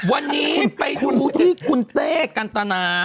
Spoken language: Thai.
วันนี้ไปที่สีขุนเต้กัลตนา